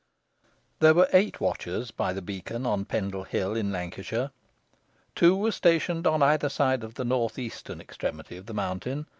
There were eight watchers by the beacon on Pendle Hill in Lancashire. Two were stationed on either side of the north eastern extremity of the mountain.